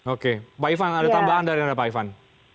oke pak ivan ada tambahan dari anda pak ivan